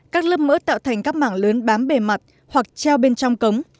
các lớp mỡ tạo thành các mảng lớn bám bề mặt hoặc treo bên trong cống